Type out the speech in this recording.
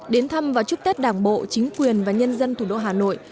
đến thăm và chúc tết đảng bộ chính quyền và nhân dân thủ đô hà nội